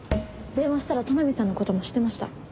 電話したら都波さんのことも知ってました。